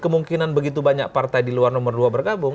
kemungkinan begitu banyak partai di luar nomor dua bergabung